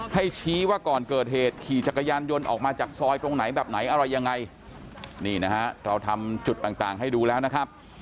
ให้ชี้ว่าก่อนเกิดเหตุขี่จักรยานยนต์ออกมาจากซอยตรงไหนแบบไหนอะไรยังไงนี่นะฮะเราทำจุดต่างให้ดูแล้วนะครับ